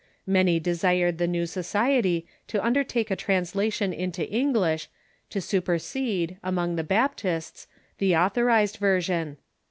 Many desired the new so ciety to undertake a translation into English to supersede, among the liaptists, the Authorized version.